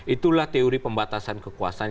itulah teori pembatasan kekuasaan